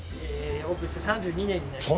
オープンして３２年になります。